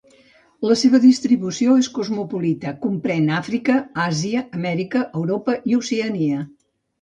La seva distribució és cosmopolita; comprèn Àfrica, Àsia, Amèrica, Europa i Oceania.